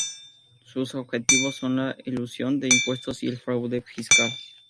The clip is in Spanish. Sus objetivos son la elusión de impuestos y el fraude fiscal.